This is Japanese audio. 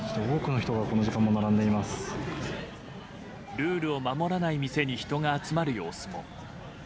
ルールを守らない店に人が集まる様子も。